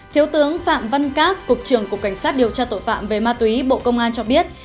thiếu tướng phạm văn cát cục trưởng cục cảnh sát điều tra tội phạm về ma túy bộ công an cho biết